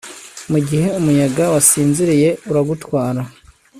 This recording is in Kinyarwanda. Mugihe umuyaga wasinziriye uragutwara